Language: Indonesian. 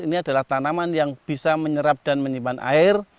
ini adalah tanaman yang bisa menyerap dan menyimpan air